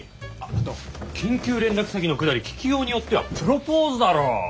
あっあと緊急連絡先のくだり聞きようによってはプロポーズだろ！